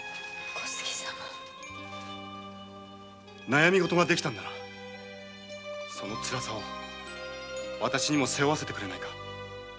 悩み事ができたのならそのつらさを私にも背負わせてくれ。